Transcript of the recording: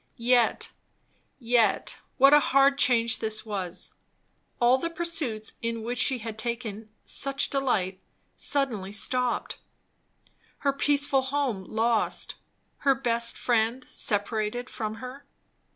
Yet, yet, what a hard change this was! All the pursuits in which she had taken such delight, suddenly stopped; her peaceful home lost; her best friend separated from her.